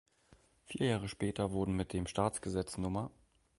Vier Jahre später wurden mit dem Staatsgesetz Nr.